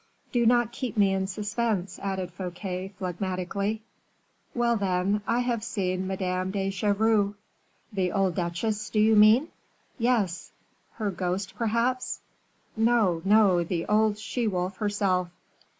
"Do not keep me in suspense," added Fouquet, phlegmatically. "Well, then, I have seen Madame de Chevreuse." "The old duchesse, do you mean?" "Yes." "Her ghost, perhaps?" "No, no; the old she wolf herself."